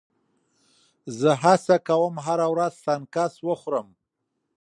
زه هڅه کوم هره ورځ سنکس وخورم.